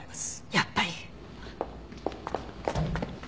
やっぱり。